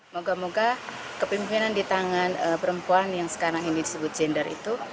moga moga kepimpinan di tangan perempuan yang sekarang ini disebut gender itu